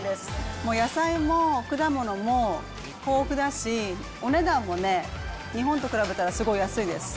もう野菜も果物も豊富だし、お値段もね、日本と比べたらすごい安いです。